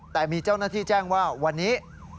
แต่มีเจ้าหน้าที่แจ้งว่าวันนี้